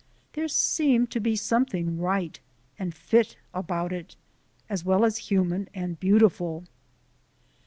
There seemed to be something right and fit about it, as well as human and beautiful.